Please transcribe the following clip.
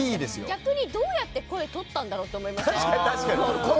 逆にどうやって声録ったんだろうって思いません？